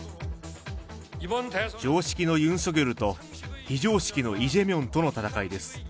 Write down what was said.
常識のユン・ソギョルと、非常識のイ・ジェミョンとの戦いです。